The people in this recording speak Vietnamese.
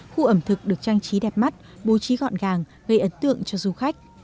khu ẩm thực được trang trí đẹp mắt bố trí gọn gàng gây ấn tượng cho du khách